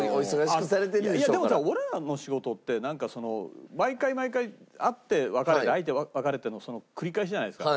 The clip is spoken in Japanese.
でもさ俺らの仕事ってなんかその毎回毎回会って別れて会って別れての繰り返しじゃないですか。